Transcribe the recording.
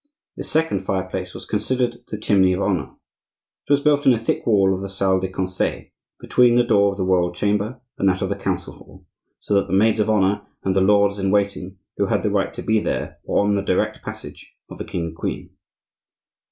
This second fireplace was considered the chimney of honor. It was built in the thick wall of the Salle de Conseil, between the door of the royal chamber and that of the council hall, so that the maids of honor and the lords in waiting who had the right to be there were on the direct passage of the king and queen.